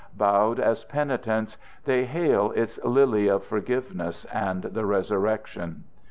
Bowed as penitents, they hail its lily of forgiveness and the resurrection.